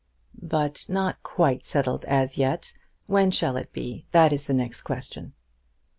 "But not quite settled as yet. When shall it be? That is the next question."